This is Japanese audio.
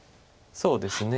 そうですね。